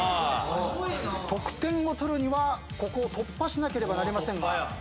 得点を取るにはここを突破しなければなりませんが。